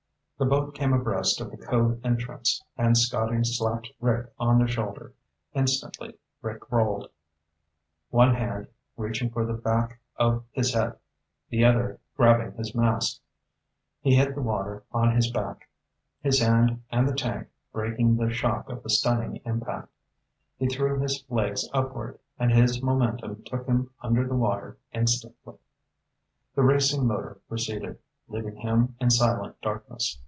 The boat came abreast of the cove entrance and Scotty slapped Rick on the shoulder. Instantly Rick rolled, one hand reaching for the back of his head, the other grabbing his mask. He hit the water on his back, his hand and the tank breaking the shock of the stunning impact. He threw his legs upward, and his momentum took him under the water instantly. The racing motor receded, leaving him in silent darkness.